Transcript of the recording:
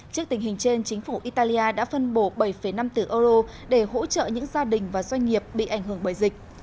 trước tình hình trên chính phủ italia đã phân bổ bảy năm tỷ euro để hỗ trợ những gia đình và doanh nghiệp bị ảnh hưởng bởi dịch